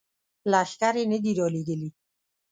لښکر یې نه دي را لیږلي.